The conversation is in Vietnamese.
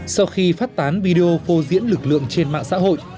sau khi phát tán video phô diễn lực lượng trên mạng xã hội